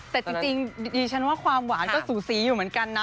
แต่จริงดิฉันว่าความหวานก็สูสีอยู่เหมือนกันนะ